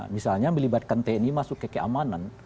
misalnya melibatkan tni masuk ke keamanan